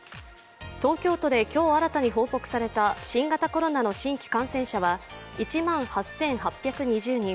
東京都で今日新たに報告された新型コロナの新規感染者は１万８８２０人。